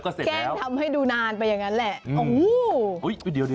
แกะได้แน่ยะอึ้ยยย